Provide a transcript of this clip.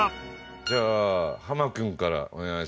じゃあハマ君からお願いします。